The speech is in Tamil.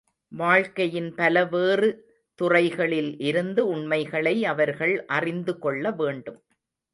வாழ்க்கையின் பலவேறு துறைகளில் இருந்து உண்மைகளை அவர்கள் அறிந்து கொள்ள வேண்டும்.